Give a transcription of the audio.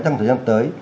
trong thời gian tới